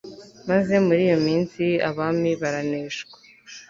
maze muri iyo minsi abami baraneshwa